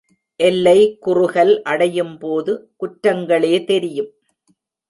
எல்லை குறுகல் அடையும்போது குற்றங்களே தெரியும்.